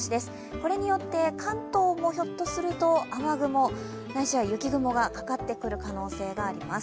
これによって、関東もひょっとすると雨雲ないしは雪雲がかかってくる可能性があります。